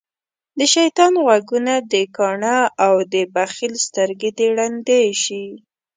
دشيطان غوږونه دکاڼه او دبخیل سترګی د ړندی شی